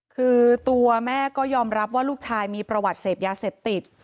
คือตัวแม่ก็ยอมรับว่าลูกชายมีประวัติเสพยาเสพติด